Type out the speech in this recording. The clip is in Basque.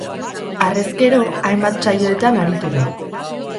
Harrezkero hainbat saioetan aritu da.